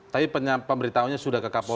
tapi pemberitahunya sudah ke kapolri